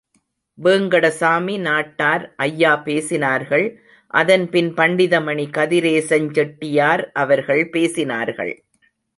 வேங்கடசாமி நாட்டார் ஐயா பேசினார்கள், அதன்பின் பண்டிதமணி கதிரேசஞ் செட்டியார் அவர்கள் பேசினார்கள்.